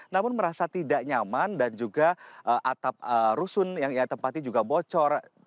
namun merasa tidak nyaman dan juga atap rusun yang ia tempati juga bocor